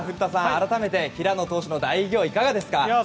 改めて、平野投手の大偉業いかがですか？